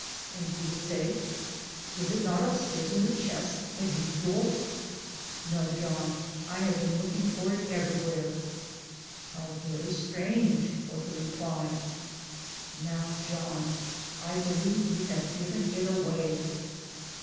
" And he would say :" Is it not upstairs in the chest, as usual? "" No, John, I have been looking for it everywhere." " How very strange " was the reply. " Now, John, I believe you have given it away